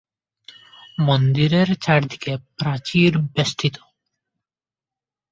মন্দিরের চারদিকে প্রাচীর বেষ্টিত।